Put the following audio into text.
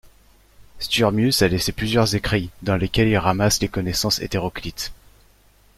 Sturmius a laissé plusieurs écrits, dans lesquels il ramasse des connaissances hétéroclites.